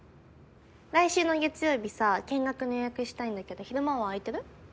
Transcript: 来週の月曜日さ見学の予約したいんだけど昼間は空いてる？